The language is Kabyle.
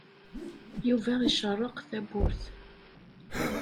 Yuba icerreq tawwurt.